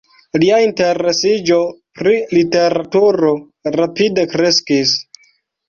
Lia interesiĝo pri literaturo rapide kreskis.